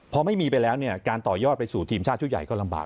พอไม่มีไปแล้วเนี่ยการต่อยอดไปสู่ทีมชาติชุดใหญ่ก็ลำบาก